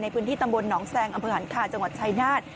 พื้นที่ตำบลหนองแซงอำเภอหันคาจังหวัดชายนาฏ